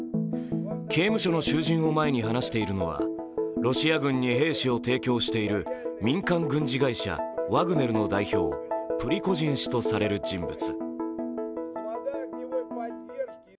刑務所の囚人を前に話しているのはロシア軍に兵士を提供している民間軍事会社・ワグネルの代表、プリゴジン氏とされる人物。